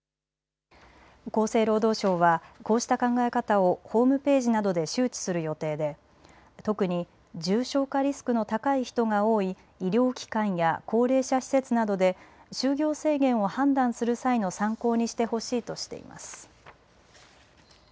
厚生労働省はこうした考え方をホームページなどで周知する予定で特に重症化リスクの高い人が多い医療機関や高齢者施設などで就業制限を判断する際の参考にしてほしいとしています。